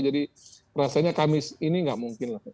jadi rasanya kamis ini nggak mungkin